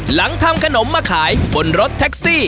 หลังทำขนมมาขายบนรถแท็กซี่